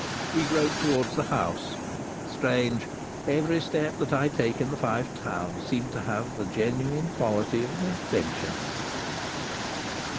We groped towards the house. Strange, every step that I take in the Five Towns seems to have the genuine quality of an adventure!